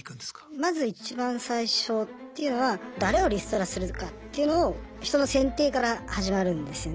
まずいちばん最初っていうのは誰をリストラするかっていうのを人の選定から始まるんですよね。